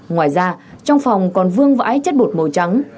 ngoài ra trong phòng còn vương vãi chất bột màu trắng